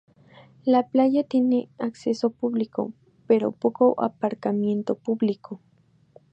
La playa tiene acceso público, pero poco aparcamiento público.